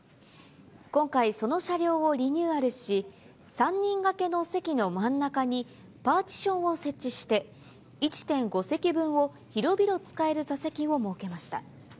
今回、その車両をリニューアルし、３人がけの席の真ん中に、パーティションを設置して、１．５席分を広々使える座席を設けました。